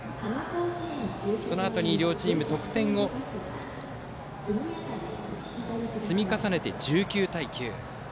そのあとも、両チーム得点を積み重ねて１９対９。